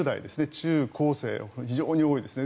中高生、非常に多いですね。